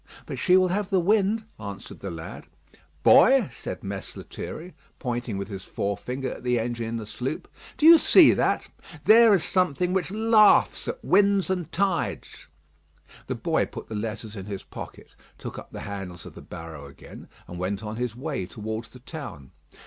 "But she will have the wind," answered the lad. "Boy," said Mess Lethierry, pointing with his forefinger at the engine in the sloop, "do you see that? There is something which laughs at winds and tides." The boy put the letters in his pocket, took up the handles of the barrow again, and went on his way towards the town.